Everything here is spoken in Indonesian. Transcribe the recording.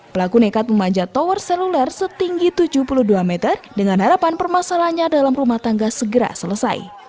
pelaku nekat memanjat tower seluler setinggi tujuh puluh dua meter dengan harapan permasalahannya dalam rumah tangga segera selesai